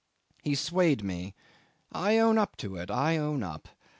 He swayed me. I own to it, I own up.